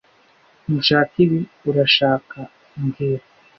Ntushaka ibi, urashaka mbwira